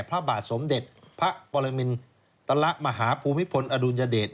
พระบาทสมเด็จพระปรมินตลมหาภูมิพลอดุลยเดช